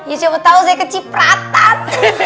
ya siapa tahu saya kecipratan